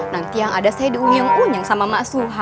nanti yang ada saya diunyeng unyeng sama mbak suha